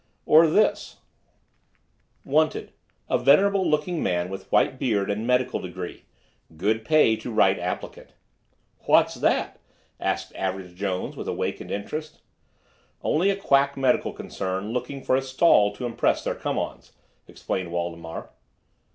"Or this: "WANTED—A venerable looking man with white beard and medical degree. Good pay to right applicant." "What's that?" asked Average Jones with awakened interest. "Only a quack medical concern looking for a stall to impress their come ons," explained Waldemar.